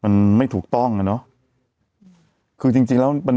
มันไม่ถูกต้องนะครับจริงทีแล้วมันมี